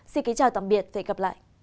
xin kính chào tạm biệt và hẹn gặp lại